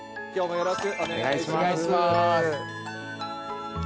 よろしくお願いします。